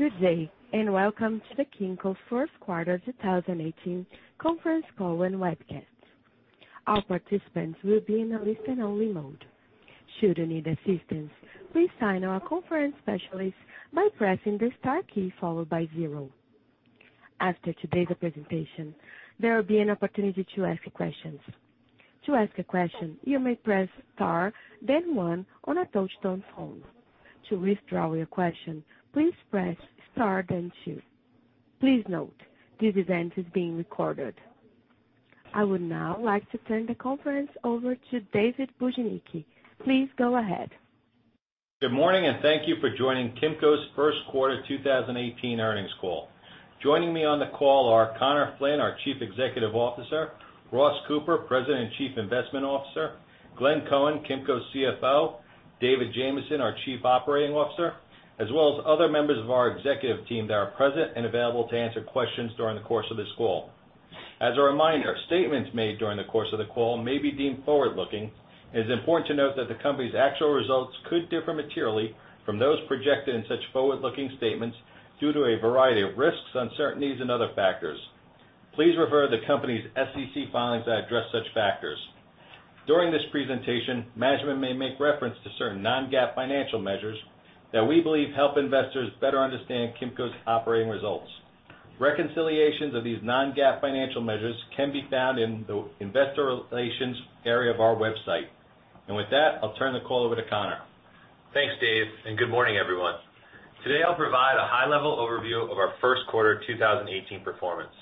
Good day. Welcome to the Kimco first quarter 2018 conference call and webcast. All participants will be in a listen-only mode. Should you need assistance, please signal our conference specialist by pressing the star key, followed by 0. After today's presentation, there will be an opportunity to ask questions. To ask a question, you may press star then 1 on a touch-tone phone. To withdraw your question, please press star then 2. Please note, this event is being recorded. I would now like to turn the conference over to David Bujnicki. Please go ahead. Good morning. Thank you for joining Kimco's first quarter 2018 earnings call. Joining me on the call are Conor Flynn, our Chief Executive Officer, Ross Cooper, President and Chief Investment Officer, Glenn Cohen, Kimco's CFO, David Jamieson, our Chief Operating Officer, as well as other members of our executive team that are present and available to answer questions during the course of this call. As a reminder, statements made during the course of the call may be deemed forward-looking. It is important to note that the company's actual results could differ materially from those projected in such forward-looking statements due to a variety of risks, uncertainties, and other factors. Please refer to the company's SEC filings that address such factors. During this presentation, management may make reference to certain non-GAAP financial measures that we believe help investors better understand Kimco's operating results. Reconciliations of these non-GAAP financial measures can be found in the investor relations area of our website. With that, I'll turn the call over to Conor. Thanks, Dave. Good morning, everyone. Today, I'll provide a high-level overview of our first quarter 2018 performance.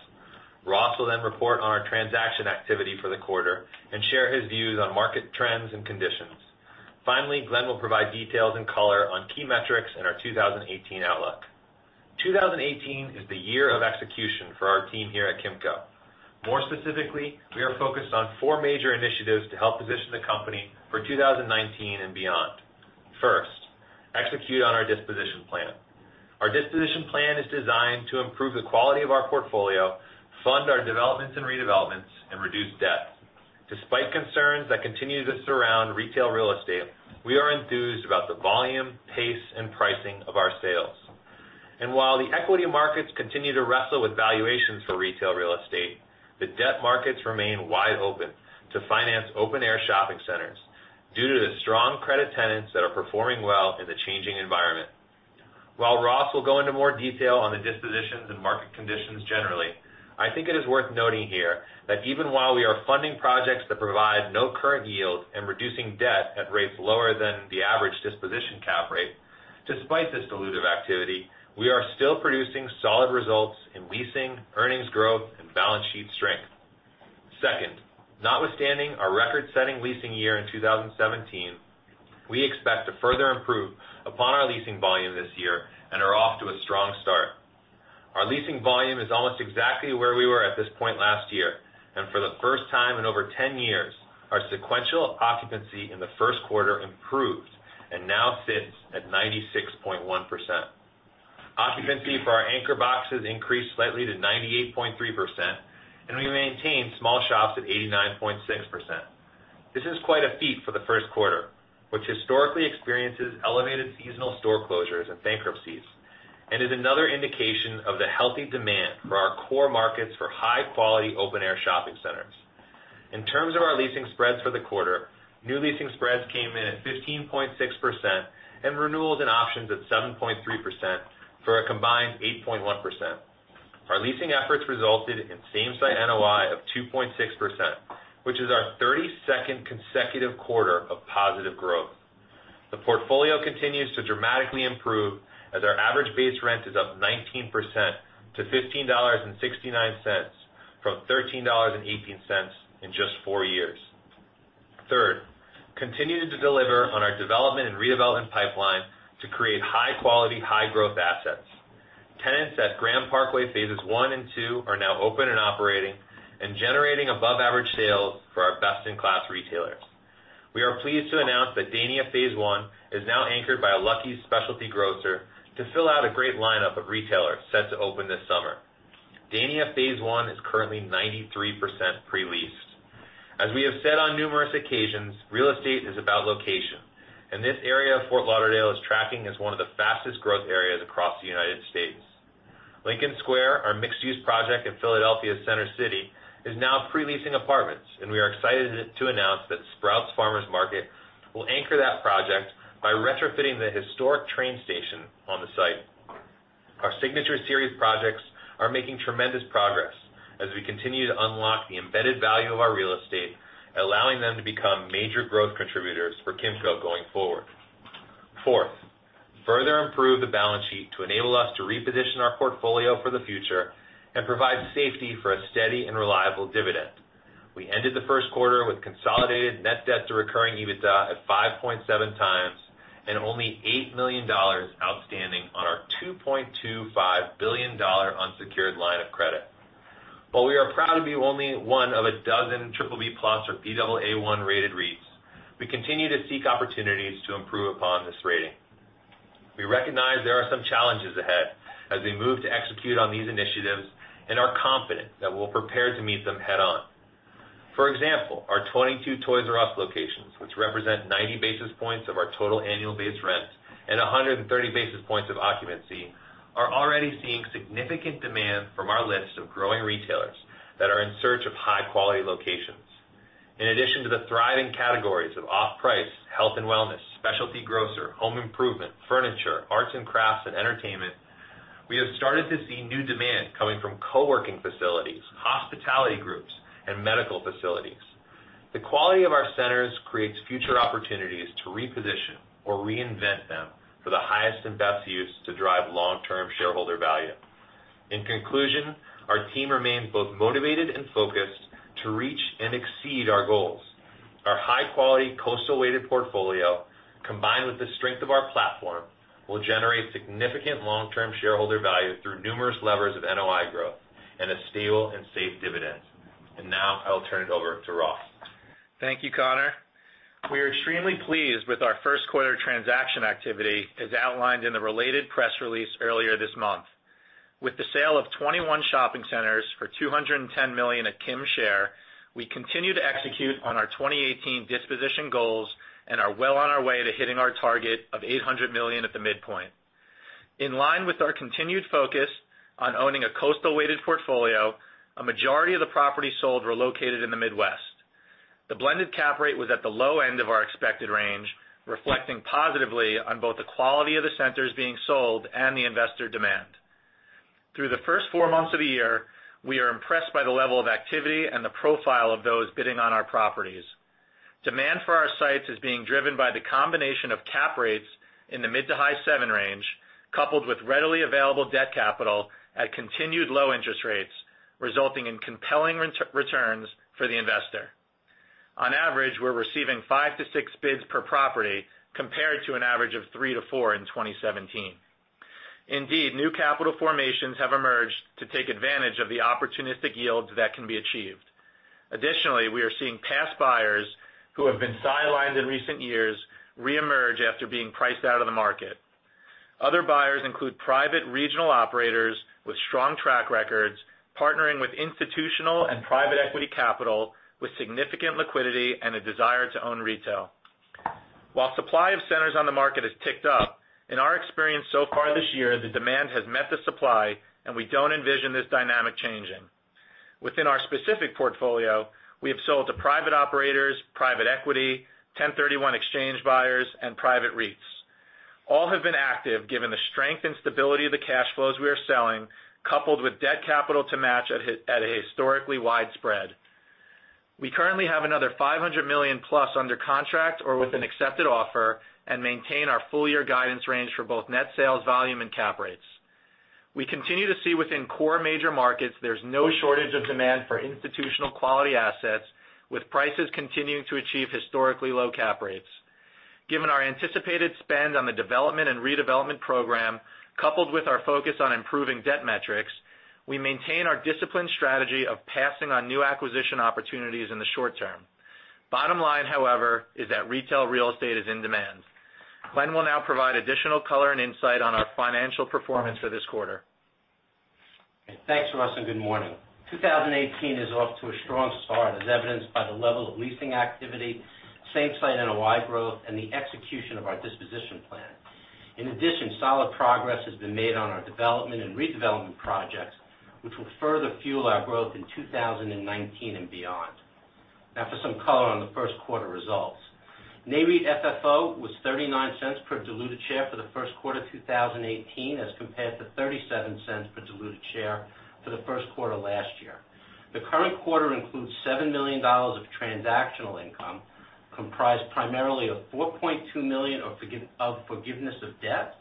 Ross will then report on our transaction activity for the quarter and share his views on market trends and conditions. Finally, Glenn will provide details and color on key metrics and our 2018 outlook. 2018 is the year of execution for our team here at Kimco. More specifically, we are focused on 4 major initiatives to help position the company for 2019 and beyond. First, execute on our disposition plan. Our disposition plan is designed to improve the quality of our portfolio, fund our developments and redevelopments, and reduce debt. Despite concerns that continue to surround retail real estate, we are enthused about the volume, pace, and pricing of our sales. While the equity markets continue to wrestle with valuations for retail real estate, the debt markets remain wide open to finance open-air shopping centers due to the strong credit tenants that are performing well in the changing environment. While Ross will go into more detail on the dispositions and market conditions generally, I think it is worth noting here that even while we are funding projects that provide no current yield and reducing debt at rates lower than the average disposition cap rate, despite this dilutive activity, we are still producing solid results in leasing, earnings growth, and balance sheet strength. Second, notwithstanding our record-setting leasing year in 2017, we expect to further improve upon our leasing volume this year and are off to a strong start. Our leasing volume is almost exactly where we were at this point last year, and for the first time in over 10 years, our sequential occupancy in the first quarter improved and now sits at 96.1%. Occupancy for our anchor boxes increased slightly to 98.3%, and we maintained small shops at 89.6%. This is quite a feat for the first quarter, which historically experiences elevated seasonal store closures and bankruptcies and is another indication of the healthy demand for our core markets for high-quality open-air shopping centers. In terms of our leasing spreads for the quarter, new leasing spreads came in at 15.6% and renewals and options at 7.3% for a combined 8.1%. Our leasing efforts resulted in same-site NOI of 2.6%, which is our 32nd consecutive quarter of positive growth. The portfolio continues to dramatically improve as our average base rent is up 19% to $15.69 from $13.18 in just four years. Third, continue to deliver on our development and redevelopment pipeline to create high-quality, high-growth assets. Tenants at Grand Parkway phases one and two are now open and operating and generating above-average sales for our best-in-class retailers. We are pleased to announce that Dania phase one is now anchored by a Lucky's Market to fill out a great lineup of retailers set to open this summer. Dania phase one is currently 93% pre-leased. We have said on numerous occasions, real estate is about location, and this area of Fort Lauderdale is tracking as one of the fastest growth areas across the U.S. Lincoln Square, our mixed-use project in Center City, Philadelphia, is now pre-leasing apartments, and we are excited to announce that Sprouts Farmers Market will anchor that project by retrofitting the historic train station on the site. Our Signature Series projects are making tremendous progress as we continue to unlock the embedded value of our real estate, allowing them to become major growth contributors for Kimco going forward. Fourth, further improve the balance sheet to enable us to reposition our portfolio for the future and provide safety for a steady and reliable dividend. We ended the first quarter with consolidated net debt to recurring EBITDA at 5.7 times and only $8 million outstanding on our $2.25 billion unsecured line of credit. While we are proud to be only one of a dozen BBB+ or Baa1-rated REITs, we continue to seek opportunities to improve upon this rating. We recognize there are some challenges ahead as we move to execute on these initiatives and are confident that we'll prepare to meet them head-on. For example, our 22 Toys "R" Us locations, which represent 90 basis points of our total annual base rent and 130 basis points of occupancy, are already seeing significant demand from our list of growing retailers that are in search of high-quality locations. In addition to the thriving categories of off-price, health and wellness, specialty grocer, home improvement, furniture, arts and crafts, and entertainment, we have started to see new demand coming from co-working facilities, hospitality groups, and medical facilities. The quality of our centers creates future opportunities to reposition or reinvent them for the highest and best use to drive long-term shareholder value. In conclusion, our team remains both motivated and focused to reach and exceed our goals. Our high-quality, coastal-weighted portfolio, combined with the strength of our platform, will generate significant long-term shareholder value through numerous levers of NOI growth and a stable and safe dividend. Now I will turn it over to Ross. Thank you, Conor. We are extremely pleased with our first quarter transaction activity, as outlined in the related press release earlier this month. With the sale of 21 shopping centers for $210 million at [Kim's share], we continue to execute on our 2018 disposition goals and are well on our way to hitting our target of $800 million at the midpoint. In line with our continued focus on owning a coastal-weighted portfolio, a majority of the properties sold were located in the Midwest. The blended cap rate was at the low end of our expected range, reflecting positively on both the quality of the centers being sold and the investor demand. Through the first four months of the year, we are impressed by the level of activity and the profile of those bidding on our properties. Demand for our sites is being driven by the combination of cap rates in the mid to high seven range, coupled with readily available debt capital at continued low interest rates, resulting in compelling returns for the investor. On average, we're receiving five to six bids per property, compared to an average of three to four in 2017. New capital formations have emerged to take advantage of the opportunistic yields that can be achieved. We are seeing past buyers who have been sidelined in recent years reemerge after being priced out of the market. Other buyers include private regional operators with strong track records, partnering with institutional and private equity capital with significant liquidity and a desire to own retail. While supply of centers on the market has ticked up, in our experience so far this year, the demand has met the supply, and we don't envision this dynamic changing. Within our specific portfolio, we have sold to private operators, private equity, 1031 exchange buyers, and private REITs. All have been active given the strength and stability of the cash flows we are selling, coupled with debt capital to match at a historically wide spread. We currently have another $500 million plus under contract or with an accepted offer and maintain our full-year guidance range for both net sales volume and cap rates. We continue to see within core major markets there's no shortage of demand for institutional quality assets, with prices continuing to achieve historically low cap rates. Given our anticipated spend on the development and redevelopment program, coupled with our focus on improving debt metrics, we maintain our disciplined strategy of passing on new acquisition opportunities in the short term. Bottom line, however, is that retail real estate is in demand. Glenn will now provide additional color and insight on our financial performance for this quarter. Thanks, Ross, and good morning. 2018 is off to a strong start, as evidenced by the level of leasing activity, same site NOI growth, and the execution of our disposition plan. In addition, solid progress has been made on our development and redevelopment projects, which will further fuel our growth in 2019 and beyond. Now for some color on the first quarter results. NAREIT FFO was $0.39 per diluted share for the first quarter of 2018 as compared to $0.37 per diluted share for the first quarter last year. The current quarter includes $7 million of transactional income, comprised primarily of $4.2 million of forgiveness of debt,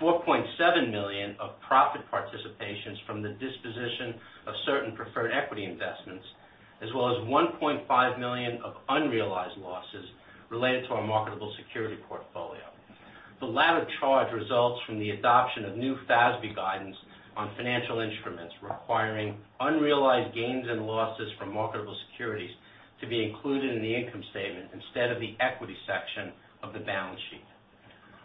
$4.7 million of profit participations from the disposition of certain preferred equity investments, as well as $1.5 million of unrealized losses related to our marketable security portfolio. The latter charge results from the adoption of new FASB guidance on financial instruments requiring unrealized gains and losses from marketable securities to be included in the income statement instead of the equity section of the balance sheet.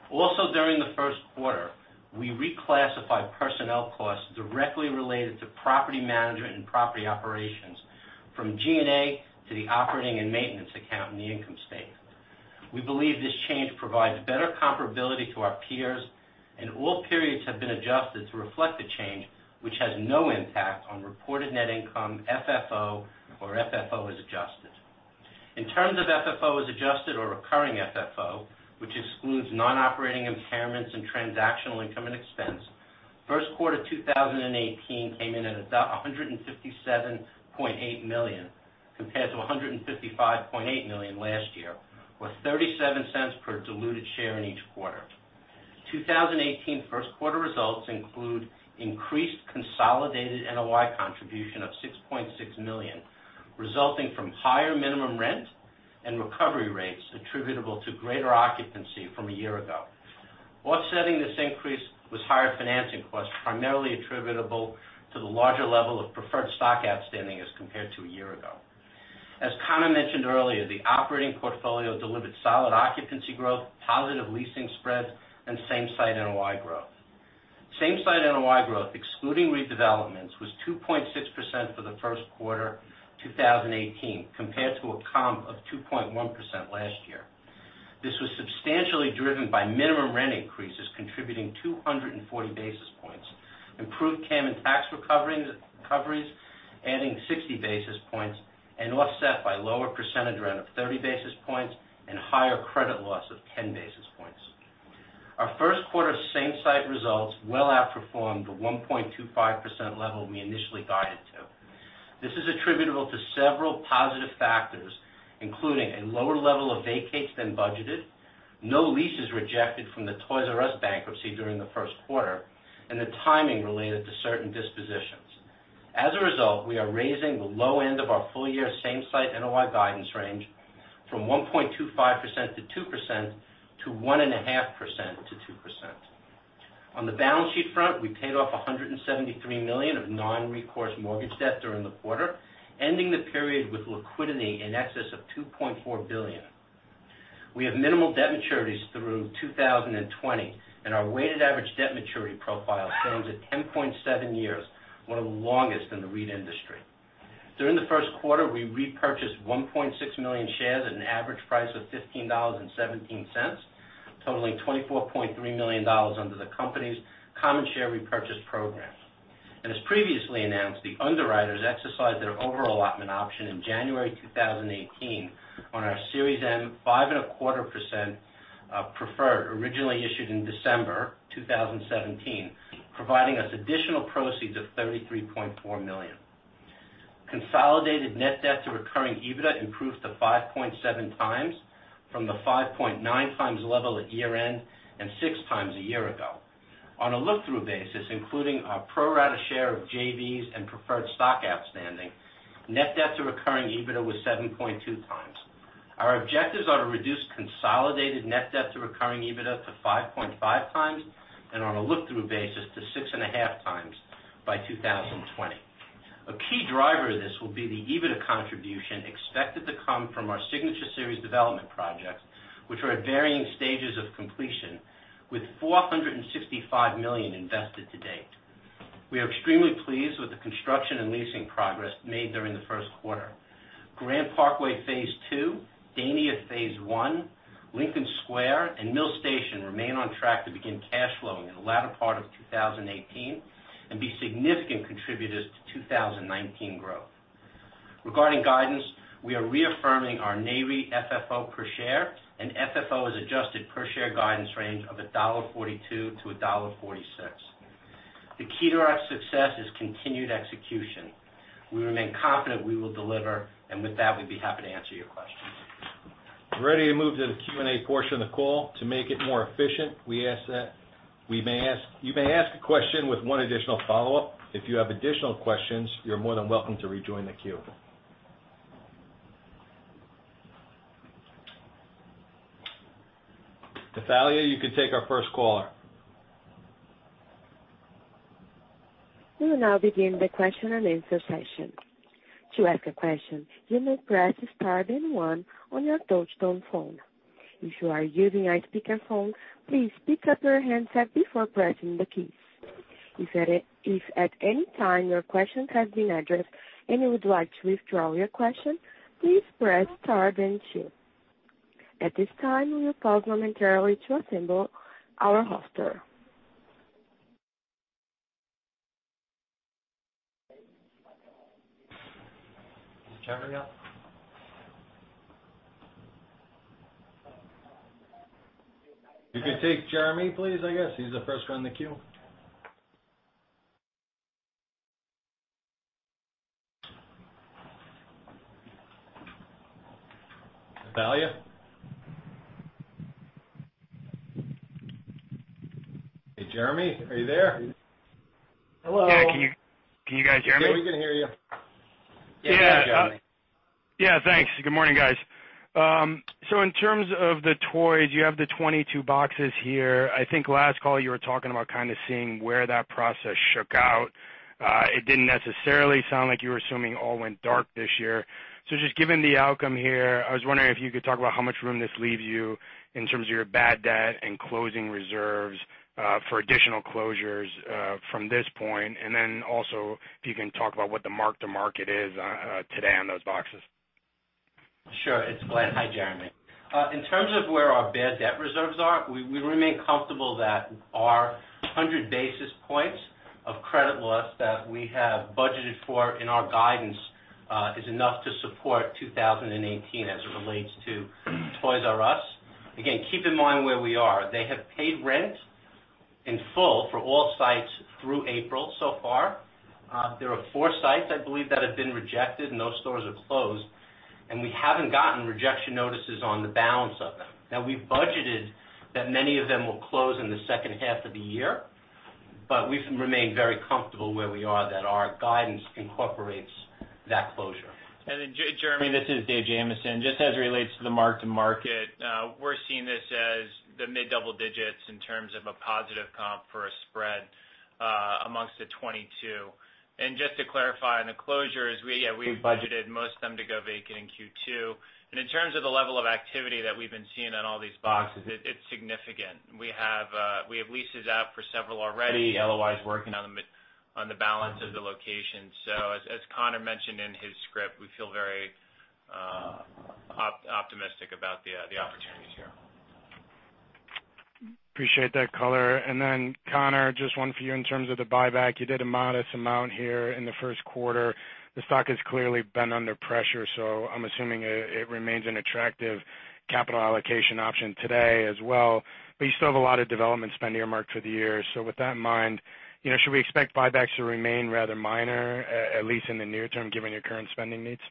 Also during the first quarter, we reclassified personnel costs directly related to property management and property operations from G&A to the operating and maintenance account in the income statement. We believe this change provides better comparability to our peers, and all periods have been adjusted to reflect the change, which has no impact on reported net income, FFO, or FFO as adjusted. In terms of FFO as adjusted or recurring FFO, which excludes non-operating impairments and transactional income and expense, first quarter 2018 came in at $157.8 million compared to $155.8 million last year, or $0.37 per diluted share in each quarter. 2018 first quarter results include increased consolidated NOI contribution of $6.6 million, resulting from higher minimum rent and recovery rates attributable to greater occupancy from a year ago. Offsetting this increase was higher financing costs, primarily attributable to the larger level of preferred stock outstanding as compared to a year ago. As Conor mentioned earlier, the operating portfolio delivered solid occupancy growth, positive leasing spreads, and same-site NOI growth. Same-site NOI growth, excluding redevelopments, was 2.6% for the first quarter 2018, compared to a comp of 2.1% last year. This was substantially driven by minimum rent increases contributing 240 basis points, improved CAM and tax recoveries adding 60 basis points, and offset by lower percentage rent of 30 basis points and higher credit loss of 10 basis points. Our first quarter same-site results well outperformed the 1.25% level we initially guided to. This is attributable to several positive factors, including a lower level of vacates than budgeted, no leases rejected from the Toys "R" Us bankruptcy during the first quarter, and the timing related to certain dispositions. As a result, we are raising the low end of our full-year same-site NOI guidance range from 1.25%-2% to 1.5%-2%. On the balance sheet front, we paid off $173 million of non-recourse mortgage debt during the quarter, ending the period with liquidity in excess of $2.4 billion. We have minimal debt maturities through 2020, and our weighted average debt maturity profile stands at 10.7 years, one of the longest in the REIT industry. During the first quarter, we repurchased 1.6 million shares at an average price of $15.17, totaling $24.3 million under the company's common share repurchase program. As previously announced, the underwriters exercised their overallotment option in January 2018 on our Series M 5.25% preferred, originally issued in December 2017, providing us additional proceeds of $33.4 million. Consolidated net debt to recurring EBITDA improved to 5.7 times from the 5.9 times level at year-end and 6 times a year ago. On a look-through basis, including our pro-rata share of JVs and preferred stock outstanding, net debt to recurring EBITDA was 7.2 times. Our objectives are to reduce consolidated net debt to recurring EBITDA to 5.5 times and on a look-through basis to 6.5 times by 2020. A key driver of this will be the EBITDA contribution expected to come from our Signature Series development projects, which are at varying stages of completion with $465 million invested to date. We are extremely pleased with the construction and leasing progress made during the first quarter. Grand Parkway phase two, Dania phase one, Lincoln Square, and Mill Station remain on track to begin cash flowing in the latter part of 2018 and be significant contributors to 2019 growth. Regarding guidance, we are reaffirming our NAREIT FFO per share and FFO as adjusted per share guidance range of $1.42-$1.46. The key to our success is continued execution. We remain confident we will deliver, with that, we'd be happy to answer your questions. We're ready to move to the Q&A portion of the call. To make it more efficient, you may ask a question with one additional follow-up. If you have additional questions, you're more than welcome to rejoin the queue. Natalia, you can take our first caller. We will now begin the question-and-answer session. To ask a question, you may press star then one on your touchtone phone. If you are using a speakerphone, please pick up your handset before pressing the keys. If at any time your question has been addressed and you would like to withdraw your question, please press star then two. At this time, we will pause momentarily to assemble our roster. Is it Jeremy yet? You can take Jeremy, please, I guess. He's the first one in the queue. Natalia? Hey, Jeremy. Are you there? Hello. Yeah, can you guys hear me? Yeah, we can hear you. Yeah. Go ahead, Jeremy. Yeah, thanks. Good morning, guys. In terms of the Toys "R" Us, you have the 22 boxes here. I think last call you were talking about kind of seeing where that process shook out. It didn't necessarily sound like you were assuming all went dark this year. Just given the outcome here, I was wondering if you could talk about how much room this leaves you in terms of your bad debt and closing reserves for additional closures from this point, and then also if you can talk about what the mark to market is today on those boxes. Sure. It's Glenn. Hi, Jeremy. In terms of where our bad debt reserves are, we remain comfortable that our 100 basis points of credit loss that we have budgeted for in our guidance is enough to support 2018 as it relates to Toys "R" Us. Again, keep in mind where we are. They have paid rent in full for all sites through April so far. There are four sites, I believe, that have been rejected and those stores are closed, and we haven't gotten rejection notices on the balance of them. We've budgeted that many of them will close in the second half of the year, but we remain very comfortable where we are that our guidance incorporates that closure. Jeremy, this is Dave Jamieson. Just as it relates to the mark to market, we're seeing this as the mid-double digits in terms of a positive comp for a spread amongst the 22. Just to clarify on the closures, we budgeted most of them to go vacant in Q2. In terms of the level of activity that we've been seeing on all these boxes, it's significant. We have leases out for several already. LOI is working on the balance of the locations. As Conor mentioned in his script, we feel very optimistic about the opportunities here. Appreciate that color. Conor, just one for you in terms of the buyback. You did a modest amount here in the first quarter. The stock has clearly been under pressure, so I'm assuming it remains an attractive capital allocation option today as well. You still have a lot of development spend earmarked for the year. With that in mind, should we expect buybacks to remain rather minor, at least in the near term, given your current spending needs?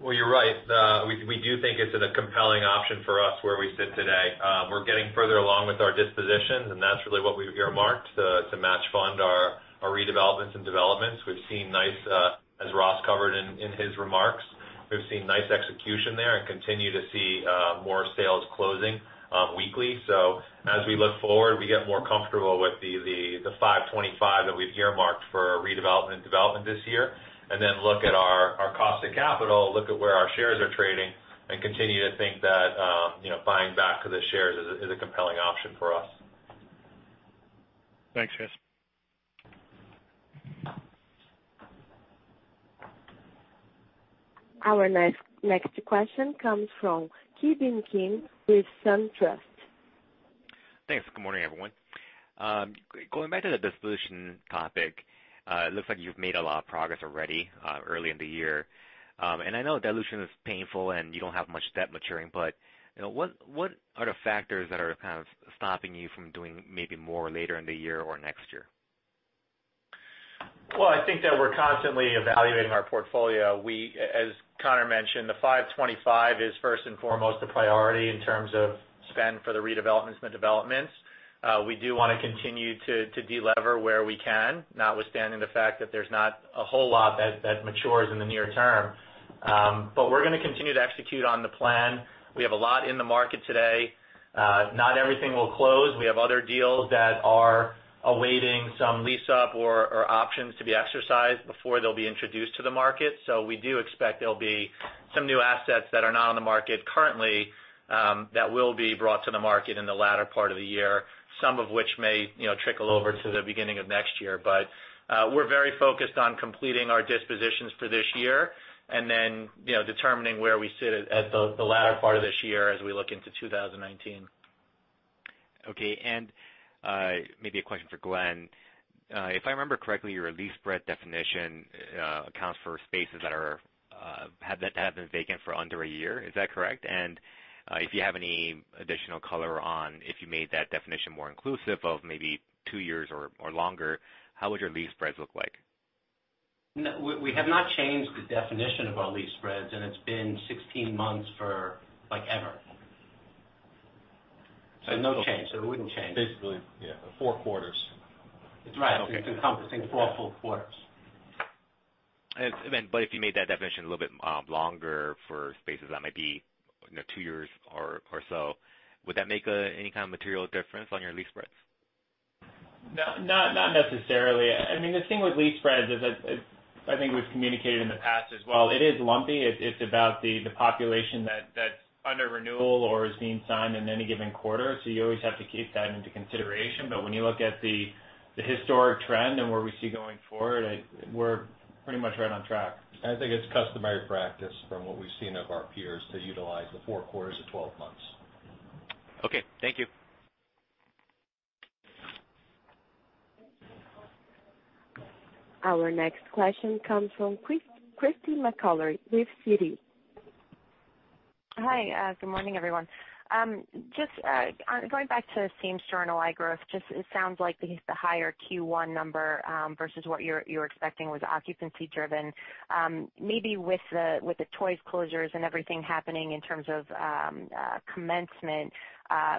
Well, you're right. We do think it's a compelling option for us where we sit today. We're getting further along with our dispositions, and that's really what we've earmarked to match fund our redevelopments and developments. As Ross covered in his remarks, we've seen nice execution there and continue to see more sales closing weekly. As we look forward, we get more comfortable with the $525 that we've earmarked for redevelopment and development this year. Look at our cost of capital, look at where our shares are trading, continue to think that buying back the shares is a compelling option for us. Thanks, guys. Our next question comes from Ki Bin Kim with SunTrust. Thanks. Good morning, everyone. Going back to the disposition topic. It looks like you've made a lot of progress already early in the year. I know dilution is painful and you don't have much debt maturing, what are the factors that are kind of stopping you from doing maybe more later in the year or next year? Well, I think that we're constantly evaluating our portfolio. As Conor mentioned, the 5.25% is first and foremost a priority in terms of spend for the redevelopments and the developments. We do want to continue to de-lever where we can, notwithstanding the fact that there's not a whole lot that matures in the near term. We're going to continue to execute on the plan. We have a lot in the market today. Not everything will close. We have other deals that are awaiting some lease up or options to be exercised before they'll be introduced to the market. We do expect there'll be some new assets that are not on the market currently, that will be brought to the market in the latter part of the year. Some of which may trickle over to the beginning of next year. We're very focused on completing our dispositions for this year and then determining where we sit at the latter part of this year as we look into 2019. Okay. Maybe a question for Glenn. If I remember correctly, your lease spread definition accounts for spaces that have been vacant for under a year. Is that correct? If you have any additional color on if you made that definition more inclusive of maybe two years or longer, how would your lease spreads look like? We have not changed the definition of our lease spreads, it's been 16 months for, like, ever. No change. It wouldn't change. Basically, yeah, four quarters. That's right. Okay. It's encompassing four full quarters. If you made that definition a little bit longer for spaces that might be two years or so, would that make any kind of material difference on your lease spreads? Not necessarily. The thing with lease spreads is, I think we've communicated in the past as well, it is lumpy. It's about the population that's under renewal or is being signed in any given quarter. You always have to keep that into consideration. When you look at the historic trend and where we see going forward, we're pretty much right on track. I think it's customary practice from what we've seen of our peers, to utilize the four quarters of 12 months. Okay, thank you. Our next question comes from Christy McElroy with Citi. Hi, good morning, everyone. Going back to same-store NOI growth, just, it sounds like the higher Q1 number versus what you're expecting was occupancy-driven. Maybe with the Toys closures and everything happening in terms of commencement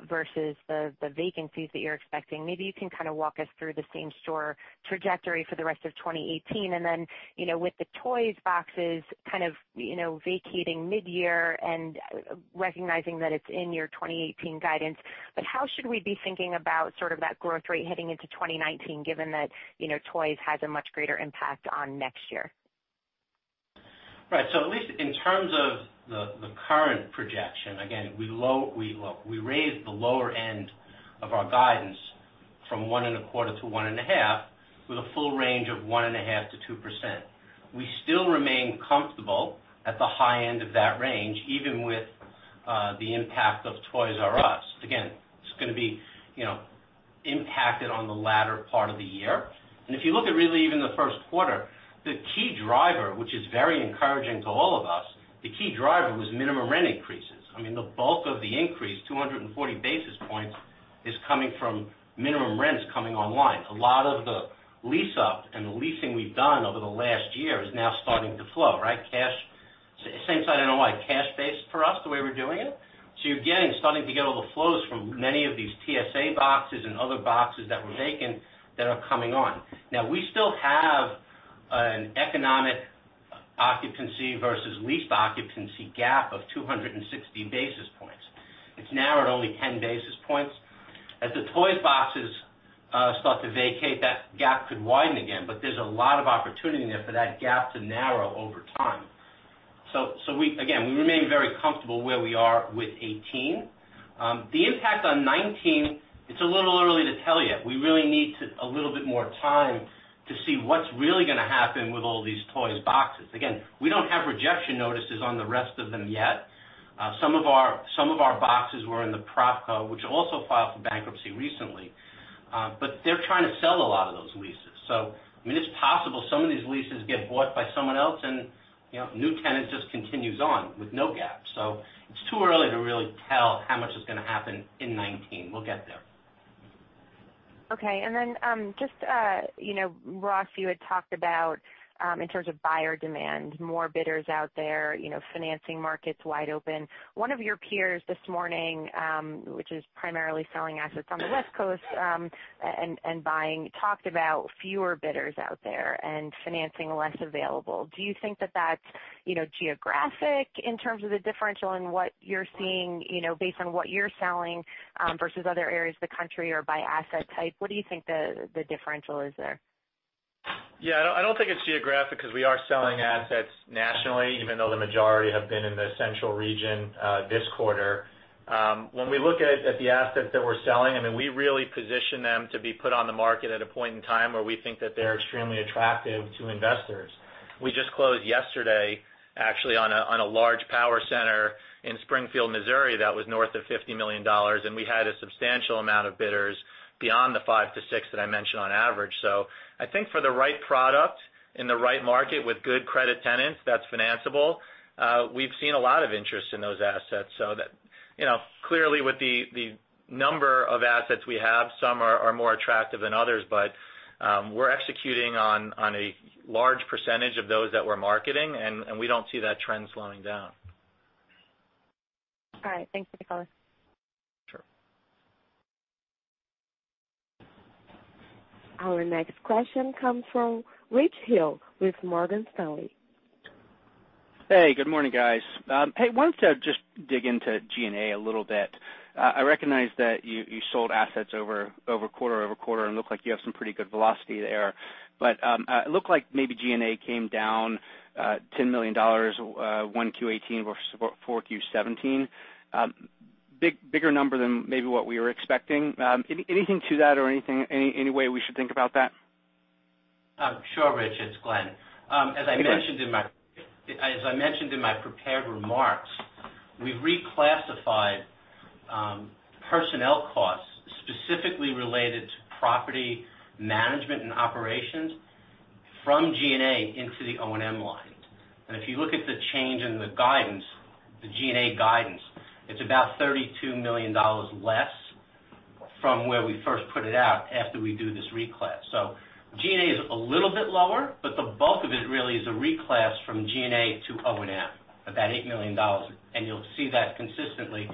versus the vacancies that you're expecting, maybe you can kind of walk us through the same-store trajectory for the rest of 2018. Then, with the Toys boxes kind of vacating mid-year and recognizing that it's in your 2018 guidance, how should we be thinking about sort of that growth rate heading into 2019, given that Toys has a much greater impact on next year? Right. At least in terms of the current projection, again, we raised the lower end of our guidance from one and a quarter to one and a half with a full range of 1.5%-2%. We still remain comfortable at the high end of that range, even with the impact of Toys "R" Us. Again, it's going to be impacted on the latter part of the year. If you look at really even the first quarter, the key driver, which is very encouraging to all of us, the key driver was minimum rent increases. The bulk of the increase, 240 basis points, is coming from minimum rents coming online. A lot of the lease up and the leasing we've done over the last year is now starting to flow. Same-site NOI, cash-based for us the way we're doing it. You're getting, starting to get all the flows from many of these TSA boxes and other boxes that were vacant that are coming on. Now, we still have an economic C versus leased occupancy gap of 260 basis points. It's now at only 10 basis points. As the Toys boxes start to vacate, that gap could widen again, but there's a lot of opportunity there for that gap to narrow over time. Again, we remain very comfortable where we are with 2018. The impact on 2019, it's a little early to tell yet. We really need a little bit more time to see what's really going to happen with all these Toys boxes. Again, we don't have rejection notices on the rest of them yet. Some of our boxes were in the PropCo, which also filed for bankruptcy recently. They're trying to sell a lot of those leases. It's possible some of these leases get bought by someone else, and a new tenant just continues on with no gap. It's too early to really tell how much is going to happen in 2019. We'll get there. Okay. Then just, Ross, you had talked about, in terms of buyer demand, more bidders out there, financing markets wide open. One of your peers this morning, which is primarily selling assets on the West Coast and buying, talked about fewer bidders out there and financing less available. Do you think that that's geographic in terms of the differential in what you're seeing based on what you're selling versus other areas of the country or by asset type? What do you think the differential is there? Yeah, I don't think it's geographic because we are selling assets nationally, even though the majority have been in the central region this quarter. When we look at the assets that we're selling, we really position them to be put on the market at a point in time where we think that they're extremely attractive to investors. We just closed yesterday, actually, on a large power center in Springfield, Missouri, that was north of $50 million, and we had a substantial amount of bidders beyond the five to six that I mentioned on average. I think for the right product in the right market with good credit tenants that's financeable, we've seen a lot of interest in those assets. That clearly with the number of assets we have, some are more attractive than others, but we're executing on a large percentage of those that we're marketing, and we don't see that trend slowing down. All right. Thanks, Ross. Sure. Our next question comes from Richard Hill with Morgan Stanley. Good morning, guys. Wanted to just dig into G&A a little bit. I recognize that you sold assets over quarter, looked like you have some pretty good velocity there. It looked like maybe G&A came down $10 million, 1Q18 versus 4Q17. Bigger number than maybe what we were expecting. Anything to that or any way we should think about that? Sure, Rich, it's Glenn. As I mentioned in my prepared remarks, we reclassified personnel costs specifically related to property management and operations from G&A into the O&M lines. If you look at the change in the guidance, the G&A guidance, it's about $32 million less from where we first put it out after we do this reclass. G&A is a little bit lower, the bulk of it really is a reclass from G&A to O&M, about $8 million. You'll see that consistently.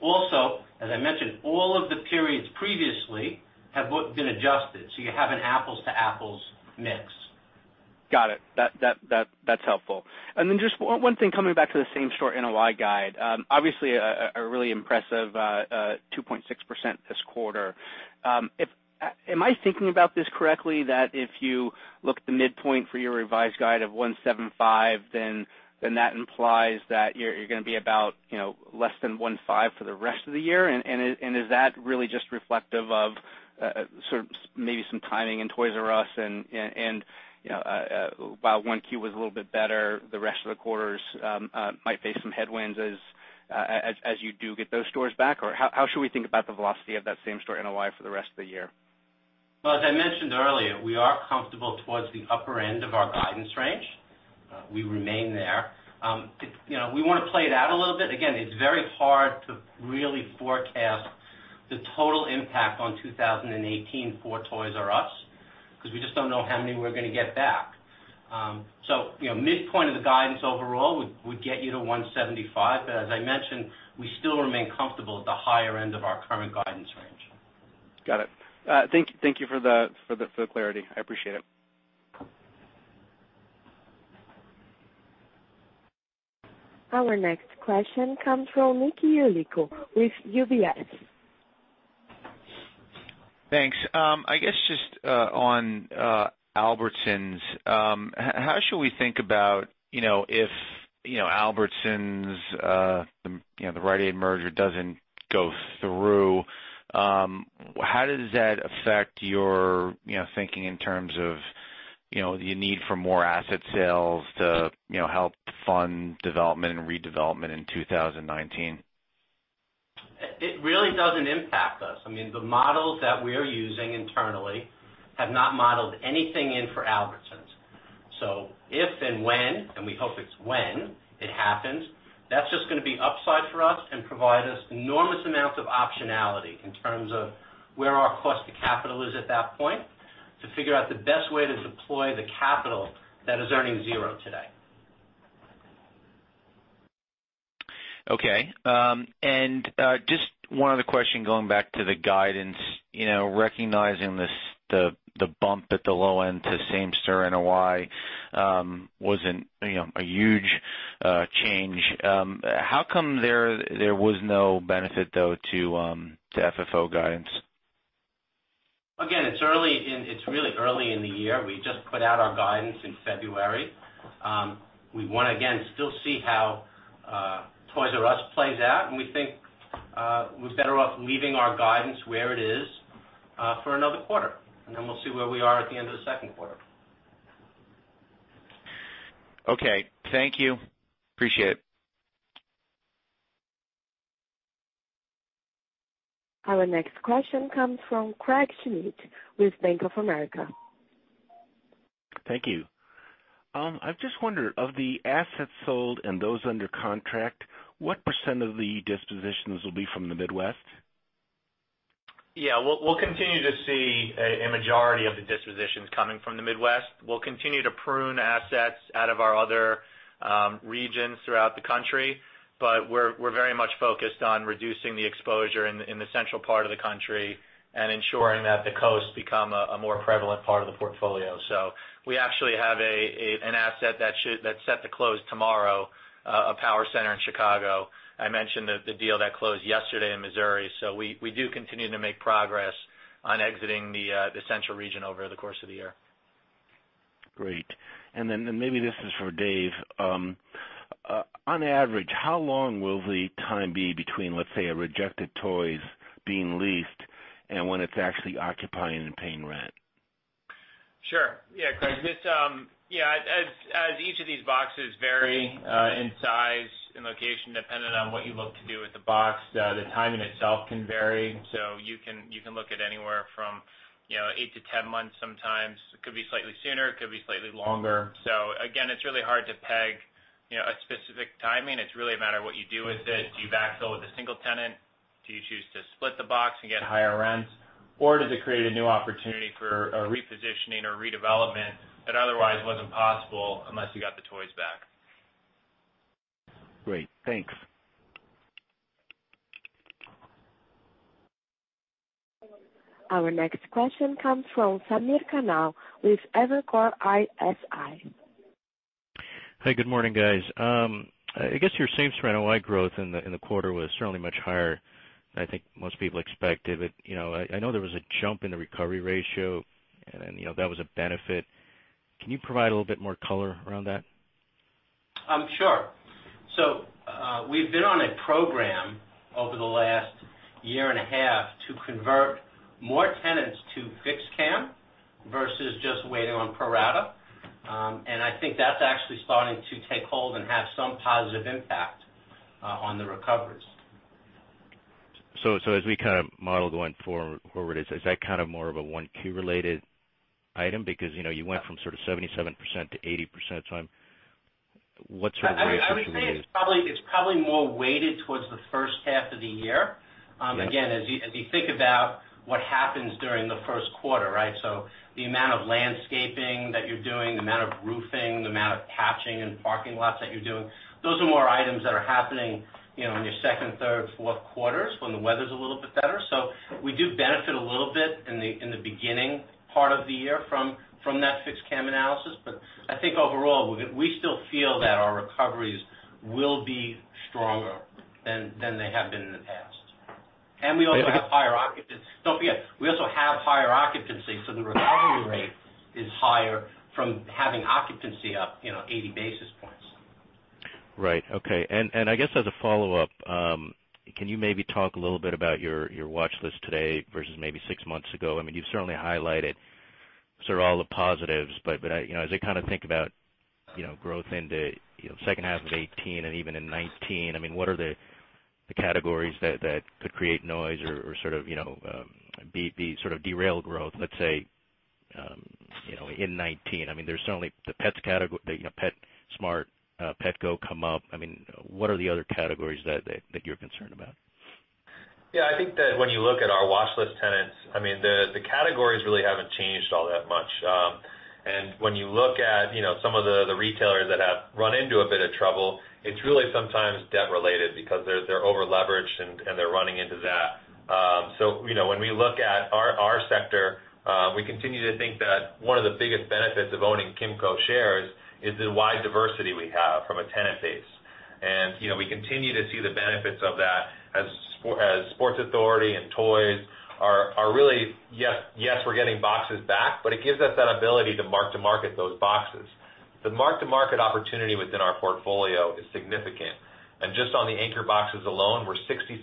Also, as I mentioned, all of the periods previously have been adjusted, you have an apples to apples mix. Got it. That's helpful. Just one thing, coming back to the same store NOI guide. Obviously, a really impressive 2.6% this quarter. Am I thinking about this correctly, that if you look at the midpoint for your revised guide of 175, that implies that you're going to be about less than 1.5 for the rest of the year? Is that really just reflective of sort of maybe some timing in Toys "R" Us and while 1Q was a little bit better, the rest of the quarters might face some headwinds as you do get those stores back? How should we think about the velocity of that same store NOI for the rest of the year? As I mentioned earlier, we are comfortable towards the upper end of our guidance range. We remain there. We want to play it out a little bit. Again, it's very hard to really forecast the total impact on 2018 for Toys "R" Us, because we just don't know how many we're going to get back. Midpoint of the guidance overall would get you to 175. As I mentioned, we still remain comfortable at the higher end of our current guidance range. Got it. Thank you for the clarity. I appreciate it. Our next question comes from Nick Yulico with UBS. Thanks. I guess just on Albertsons, how should we think about if Albertsons, the Rite Aid merger doesn't go through, how does that affect your thinking in terms of the need for more asset sales to help fund development and redevelopment in 2019? It really doesn't impact us. The models that we're using internally have not modeled anything in for Albertsons. If and when, and we hope it's when it happens, that's just going to be upside for us and provide us enormous amounts of optionality in terms of where our cost to capital is at that point to figure out the best way to deploy the capital that is earning zero today. Okay. Just one other question going back to the guidance. Recognizing the bump at the low end to same-store NOI wasn't a huge change. How come there was no benefit, though, to FFO guidance? Again, it's really early in the year. We just put out our guidance in February. We want to, again, still see how Toys "R" Us plays out, we think we're better off leaving our guidance where it is for another quarter, then we'll see where we are at the end of the second quarter. Okay. Thank you. Appreciate it. Our next question comes from Craig Schmidt with Bank of America. Thank you. I've just wondered, of the assets sold and those under contract, what % of the dispositions will be from the Midwest? Yeah. We'll continue to see a majority of the dispositions coming from the Midwest. We'll continue to prune assets out of our other regions throughout the country. We're very much focused on reducing the exposure in the central part of the country and ensuring that the coasts become a more prevalent part of the portfolio. We actually have an asset that's set to close tomorrow, a power center in Chicago. I mentioned the deal that closed yesterday in Missouri. We do continue to make progress on exiting the central region over the course of the year. Great. Maybe this is for Dave. On average, how long will the time be between, let's say, a rejected Toys being leased and when it's actually occupying and paying rent? Sure. Yeah, Craig, as each of these boxes vary in size and location, depending on what you look to do with the box, the timing itself can vary. You can look at anywhere from 8-10 months sometimes. It could be slightly sooner, it could be slightly longer. Again, it's really hard to peg a specific timing. It's really a matter of what you do with it. Do you backfill with a single tenant? Do you choose to split the box and get higher rents? Does it create a new opportunity for a repositioning or redevelopment that otherwise wasn't possible unless you got the Toys back? Great. Thanks. Our next question comes from Samir Khanal with Evercore ISI. Hey, good morning, guys. I guess your same-store NOI growth in the quarter was certainly much higher than I think most people expected. I know there was a jump in the recovery ratio, and that was a benefit. Can you provide a little bit more color around that? Sure. We've been on a program over the last year and a half to convert more tenants to fixed CAM versus just waiting on pro rata. I think that's actually starting to take hold and have some positive impact on the recoveries. As we kind of model going forward, is that kind of more of a 1Q related item? Because you went from sort of 77% to 80%. What sort of ratio can we use? I would say it's probably more weighted towards the first half of the year. Yes. As you think about what happens during the first quarter, right? The amount of landscaping that you're doing, the amount of roofing, the amount of patching in parking lots that you're doing, those are more items that are happening in your second, third, fourth quarters when the weather's a little bit better. We do benefit a little bit in the beginning part of the year from that fixed CAM analysis. I think overall, we still feel that our recoveries will be stronger than they have been in the past. We also have higher occupancy. Don't forget, we also have higher occupancy, so the recovery rate is higher from having occupancy up 80 basis points. Right. Okay. I guess as a follow-up, can you maybe talk a little bit about your watch list today versus maybe six months ago? I mean, you've certainly highlighted sort of all the positives, as I kind of think about growth in the second half of 2018 and even in 2019, what are the categories that could create noise or sort of derail growth, let's say in 2019? There's certainly the PetSmart, Petco come up. What are the other categories that you're concerned about? Yeah, I think that when you look at our watch list tenants, the categories really haven't changed all that much. When you look at some of the retailers that have run into a bit of trouble, it's really sometimes debt-related because they're over-leveraged, and they're running into that. When we look at our sector, we continue to think that one of the biggest benefits of owning Kimco shares is the wide diversity we have from a tenant base. We continue to see the benefits of that as Sports Authority and Toys "R" Us are really, yes, we're getting boxes back, but it gives us that ability to mark to market those boxes. The mark to market opportunity within our portfolio is significant. Just on the anchor boxes alone, we're 66%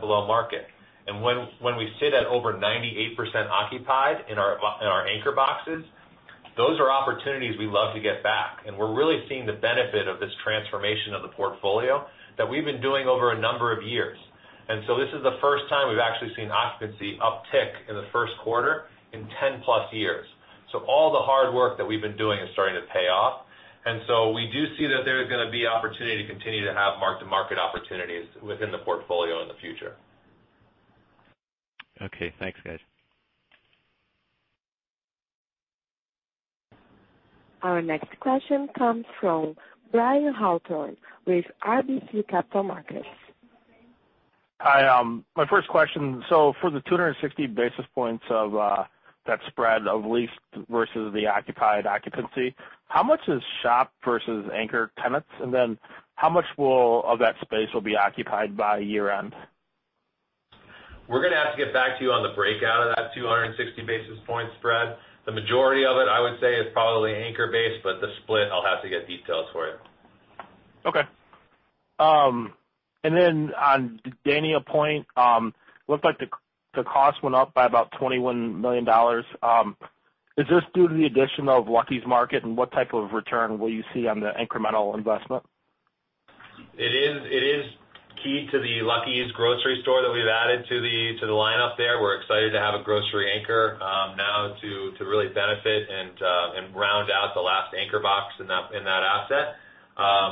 below market. When we sit at over 98% occupied in our anchor boxes, those are opportunities we love to get back. We're really seeing the benefit of this transformation of the portfolio that we've been doing over a number of years. This is the first time we've actually seen occupancy uptick in the first quarter in 10 plus years. All the hard work that we've been doing is starting to pay off. We do see that there is going to be opportunity to continue to have mark to market opportunities within the portfolio in the future. Okay, thanks, guys. Our next question comes from Brian Hawthorne with RBC Capital Markets. Hi. My first question, for the 260 basis points of that spread of leased versus the occupied occupancy, how much is shop versus anchor tenants? How much of that space will be occupied by year-end? We're going to have to get back to you on the breakout of that 260 basis point spread. The majority of it, I would say, is probably anchor based, but the split, I'll have to get details for you. Okay. On Dania Pointe, looked like the cost went up by about $21 million. Is this due to the addition of Lucky's Market, what type of return will you see on the incremental investment? It is key to the Lucky's grocery store that we've added to the lineup there. We're excited to have a grocery anchor now to really benefit and round out the last anchor box in that asset.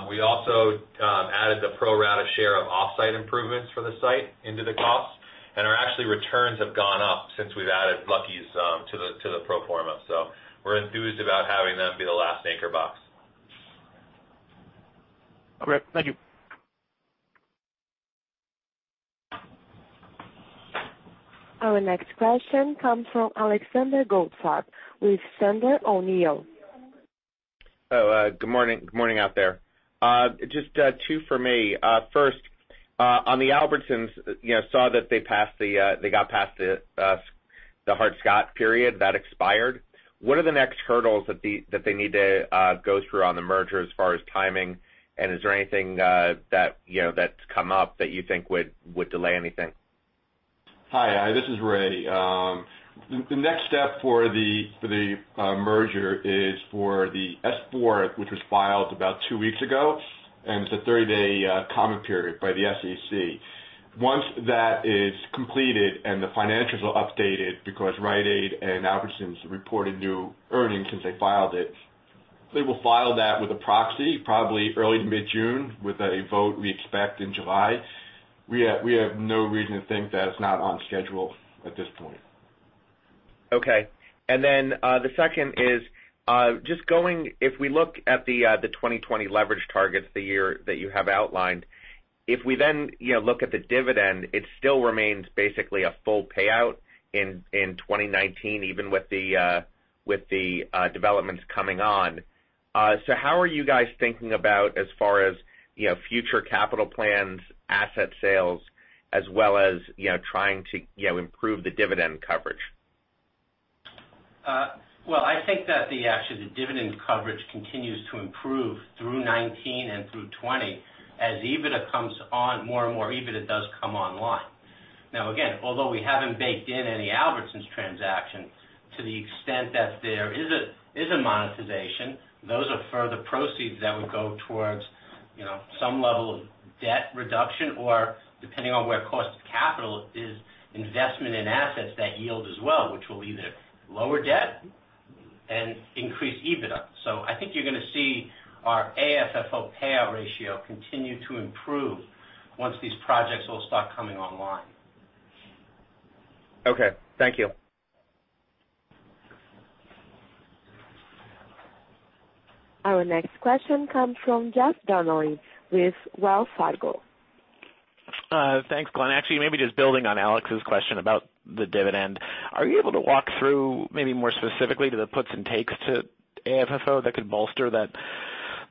We also added the pro-rata share of off-site improvements for the site into the cost, our actual returns have gone up since we've added Lucky's to the pro forma. We're enthused about having them be the last anchor box. Great. Thank you. Our next question comes from Alexander Goldfarb with Sandler O'Neill. Good morning. Good morning out there. Just two for me. First, on the Albertsons, saw that they got past the Hart-Scott period. That expired. What are the next hurdles that they need to go through on the merger as far as timing? Is there anything that's come up that you think would delay anything? Hi. This is Ray. The next step for the merger is for the S-4, which was filed about two weeks ago, and it's a 30-day comment period by the SEC. Once that is completed, the financials are updated, because Rite Aid and Albertsons reported new earnings since they filed it, they will file that with a proxy, probably early to mid-June, with a vote we expect in July. We have no reason to think that it's not on schedule at this point. The second is, if we look at the 2020 leverage targets, the year that you have outlined, if we then look at the dividend, it still remains basically a full payout in 2019, even with the developments coming on. How are you guys thinking about as far as future capital plans, asset sales, as well as trying to improve the dividend coverage? Well, I think that actually, the dividend coverage continues to improve through 2019 and through 2020 as more and more EBITDA does come online. Now, again, although we haven't baked in any Albertsons transaction, to the extent that there is a monetization, those are further proceeds that would go towards some level of debt reduction, or depending on where cost of capital is, investment in assets that yield as well, which will either lower debt and increase EBITDA. I think you're going to see our AFFO payout ratio continue to improve once these projects all start coming online. Okay. Thank you. Our next question comes from Jeffrey Donnelly with Wells Fargo. Thanks, Glenn. Actually, maybe just building on Alex's question about the dividend. Are you able to walk through maybe more specifically to the puts and takes to AFFO that could bolster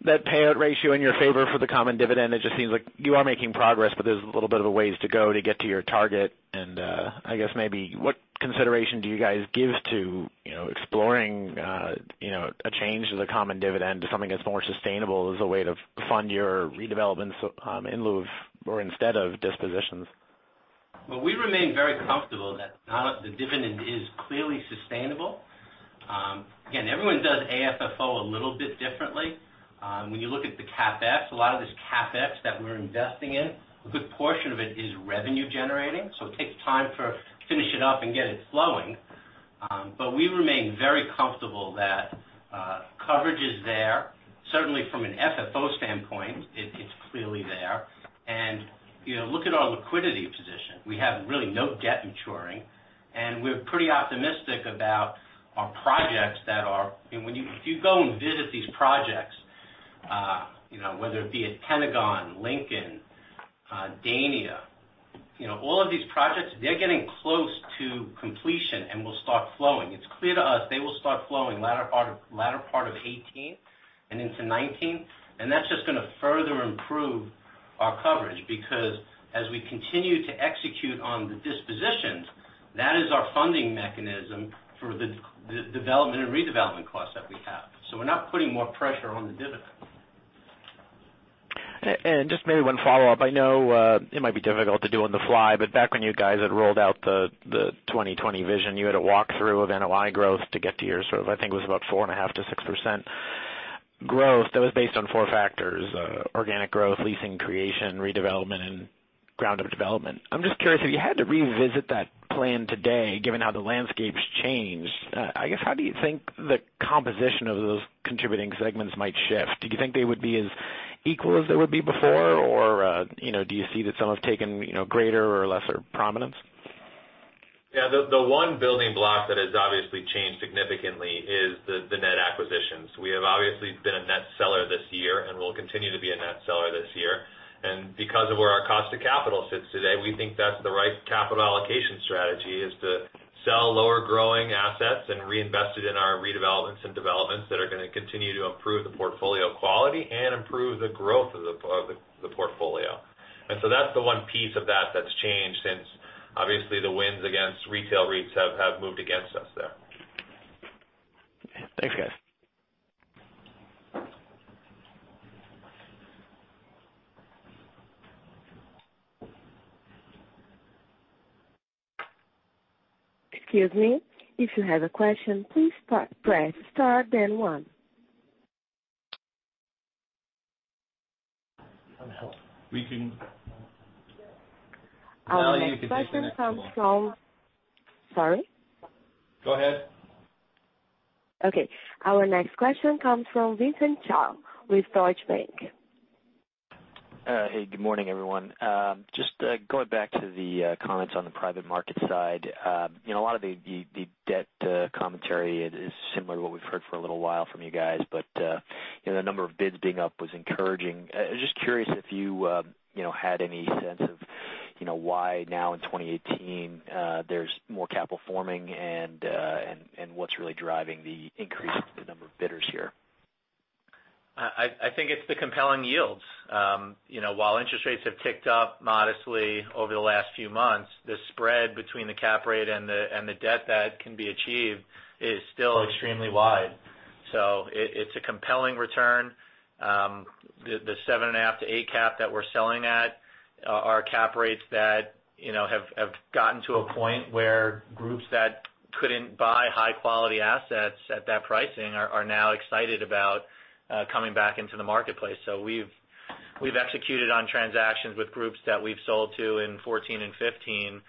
that payout ratio in your favor for the common dividend? It just seems like you are making progress, but there's a little bit of a ways to go to get to your target, and I guess maybe what consideration do you guys give to exploring a change to the common dividend to something that's more sustainable as a way to fund your redevelopments in lieu of, or instead of dispositions? Well, we remain very comfortable that the dividend is clearly sustainable. Again, everyone does AFFO a little bit differently. When you look at the CapEx, a lot of this CapEx that we're investing in, a good portion of it is revenue generating, so it takes time to finish it up and get it flowing. We remain very comfortable that coverage is there. Certainly from an FFO standpoint, it's clearly there. Look at our liquidity position. We have really no debt maturing, and we're pretty optimistic about our projects. If you go and visit these projects, whether it be at Pentagon, Lincoln, Dania, all of these projects, they're getting close to completion and will start flowing. It's clear to us they will start flowing latter part of 2018 and into 2019, that's just going to further improve our coverage because as we continue to execute on the dispositions, that is our funding mechanism for the development and redevelopment costs that we have. We're not putting more pressure on the dividend. Just maybe one follow-up. I know it might be difficult to do on the fly, back when you guys had rolled out the 2020 vision, you had a walk-through of NOI growth to get to your sort of, I think it was about 4.5% to 6% growth that was based on four factors: organic growth, leasing creation, redevelopment, and ground-up development. I'm just curious, if you had to revisit that plan today, given how the landscape's changed, I guess how do you think the composition of those contributing segments might shift? Do you think they would be as equal as they would be before, or do you see that some have taken greater or lesser prominence? Yeah. The one building block that has obviously changed significantly is the net acquisitions. We have obviously been a net seller this year and will continue to be a net seller this year. Because of where our cost of capital sits today, we think that's the right capital allocation strategy, is to sell lower-growing assets and reinvest it in our redevelopments and developments that are going to continue to improve the portfolio quality and improve the growth of the portfolio. So that's the one piece of that that's changed since obviously the winds against retail REITs have moved against us there. Thanks, guys. Excuse me. If you have a question, please press star then one. We can Our next question comes from Melanie, you can take the next one. Sorry? Go ahead. Okay. Our next question comes from Vincent Chao with Deutsche Bank. Hey, good morning, everyone. Just going back to the comments on the private market side. A lot of the debt commentary is similar to what we've heard for a little while from you guys, but the number of bids being up was encouraging. I was just curious if you had any sense of why now in 2018 there's more capital forming and what's really driving the increase in the number of bidders here. I think it's the compelling yields. While interest rates have ticked up modestly over the last few months, the spread between the cap rate and the debt that can be achieved is still extremely wide. It's a compelling return. The seven and a half to eight cap that we're selling at are cap rates that have gotten to a point where groups that couldn't buy high-quality assets at that pricing are now excited about coming back into the marketplace. We've executed on transactions with groups that we've sold to in 2014 and 2015,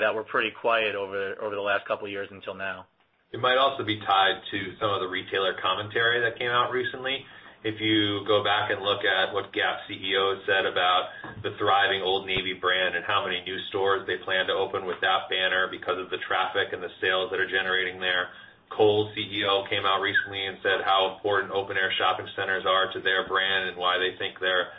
that were pretty quiet over the last couple of years until now. It might also be tied to some of the retailer commentary that came out recently. If you go back and look at what Gap's CEO said about the thriving Old Navy brand and how many new stores they plan to open with that banner because of the traffic and the sales that are generating there. Kohl's CEO came out recently and said how important open-air shopping centers are to their brand and why they think they're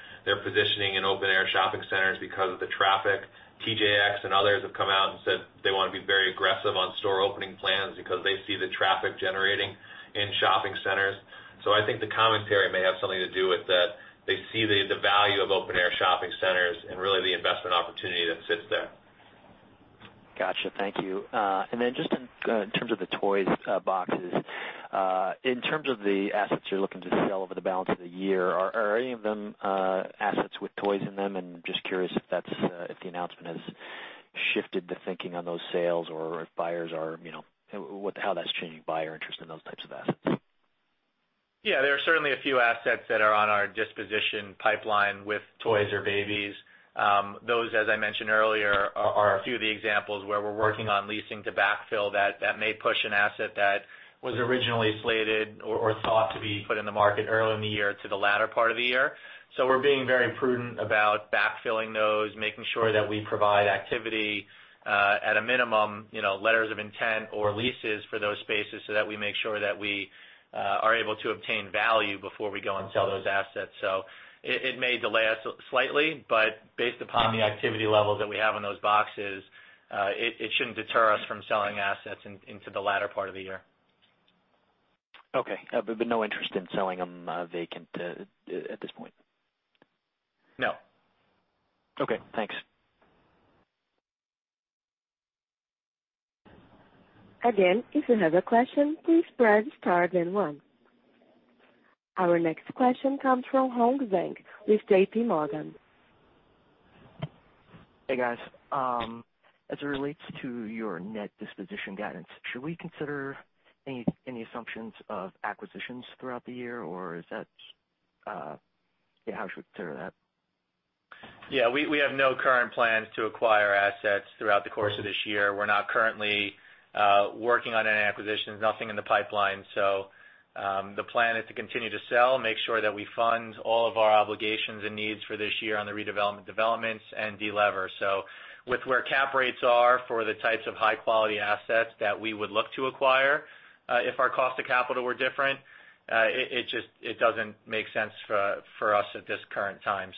positioning in open-air shopping centers because of the traffic. TJX and others have come out and said they want to be very aggressive on store opening plans because they see the traffic generating in shopping centers. I think the commentary may have something to do with that. They see the value of open-air shopping centers and really the investment opportunity that sits there. Got you. Thank you. Just in terms of the Toys "R" Us boxes, in terms of the assets you're looking to sell over the balance of the year, are any of them assets with Toys "R" Us in them? Just curious if the announcement has shifted the thinking on those sales or how that's changing buyer interest in those types of assets. There are certainly a few assets that are on our disposition pipeline with toys or babies. Those, as I mentioned earlier, are a few of the examples where we're working on leasing to backfill that may push an asset that was originally slated or thought to be put in the market early in the year to the latter part of the year. We're being very prudent about backfilling those, making sure that we provide activity, at a minimum, letters of intent or leases for those spaces so that we make sure that we are able to obtain value before we go and sell those assets. It may delay us slightly, but based upon the activity levels that we have on those boxes, it shouldn't deter us from selling assets into the latter part of the year. Okay. No interest in selling them vacant at this point? No. Okay. Thanks. Again, if you have a question, please press star then one. Our next question comes from Hong Zhang with JP Morgan. Hey, guys. As it relates to your net disposition guidance, should we consider any assumptions of acquisitions throughout the year? How should we consider that? Yeah, we have no current plans to acquire assets throughout the course of this year. We're not currently working on any acquisitions, nothing in the pipeline. The plan is to continue to sell, make sure that we fund all of our obligations and needs for this year on the redevelopment, developments, and de-lever. With where cap rates are for the types of high-quality assets that we would look to acquire, if our cost of capital were different, it doesn't make sense for us at this current time.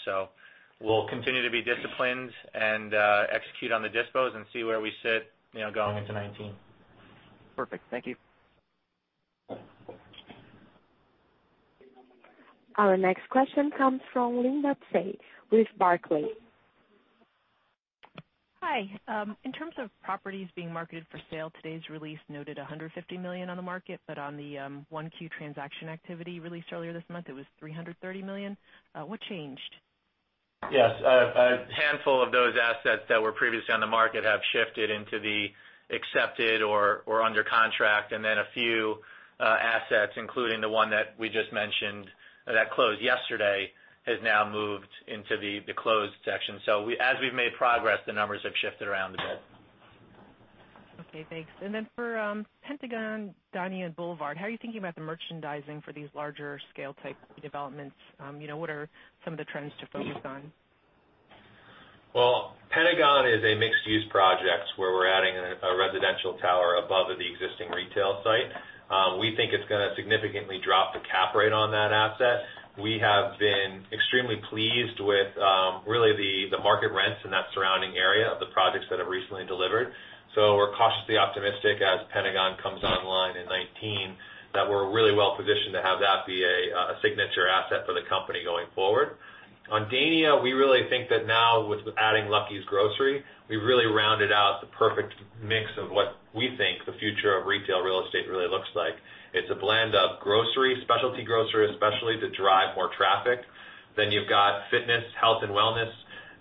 We'll continue to be disciplined and execute on the dispos and see where we sit going into 2019. Perfect. Thank you. Our next question comes from Linda Tsai with Barclays. Hi. In terms of properties being marketed for sale, today's release noted $150 million on the market, but on the 1Q transaction activity released earlier this month, it was $330 million. What changed? Yes. A handful of those assets that were previously on the market have shifted into the accepted or under contract. A few assets, including the one that we just mentioned that closed yesterday, has now moved into the closed section. As we've made progress, the numbers have shifted around a bit. Okay, thanks. For Pentagon Dania Boulevard, how are you thinking about the merchandising for these larger scale type developments? What are some of the trends to focus on? Well, Pentagon is a mixed-use project where we're adding a residential tower above the existing retail site. We think it's going to significantly drop the cap rate on that asset. We have been extremely pleased with really the market rents in that surrounding area of the projects that have recently delivered. We're cautiously optimistic as Pentagon comes online in 2019, that we're really well-positioned to have that be a signature asset for the company going forward. On Dania, we really think that now with adding Lucky's Market, we've really rounded out the perfect mix of what we think the future of retail real estate really looks like. It's a blend of grocery, specialty grocery, especially to drive more traffic. You've got fitness, health and wellness.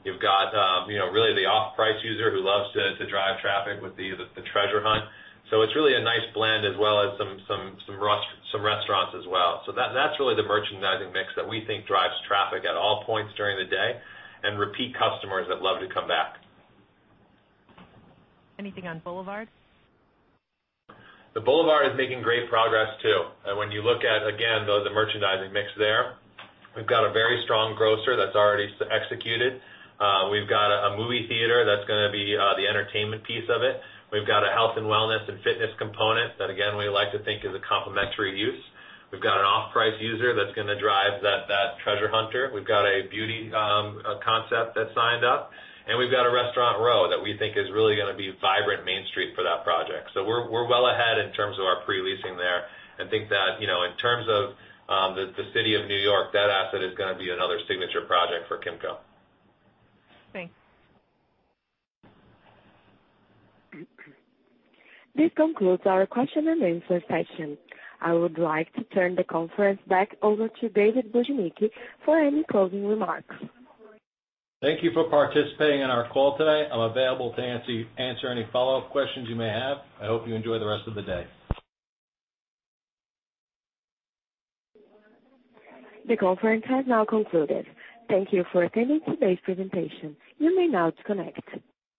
You've got really the off-price user who loves to drive traffic with the treasure hunt. It's really a nice blend as well as some restaurants as well. That's really the merchandising mix that we think drives traffic at all points during the day and repeat customers that love to come back. Anything on The Boulevard? The Boulevard is making great progress, too. When you look at, again, the merchandising mix there, we've got a very strong grocer that's already executed. We've got a movie theater that's going to be the entertainment piece of it. We've got a health and wellness and fitness component that, again, we like to think is a complementary use. We've got an off-price user that's going to drive that treasure hunter. We've got a beauty concept that's signed up. We've got a restaurant row that we think is really going to be vibrant main street for that project. We're well ahead in terms of our pre-leasing there and think that, in terms of the city of New York, that asset is going to be another Signature Project for Kimco. Thanks. This concludes our question and answer session. I would like to turn the conference back over to David Bujnicki for any closing remarks. Thank you for participating in our call today. I'm available to answer any follow-up questions you may have. I hope you enjoy the rest of the day. The conference has now concluded. Thank you for attending today's presentation. You may now disconnect.